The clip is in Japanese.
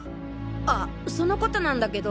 あその事なんだけど。